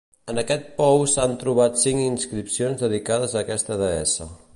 En aquest pou s'han trobat cinc inscripcions dedicades a aquesta deessa.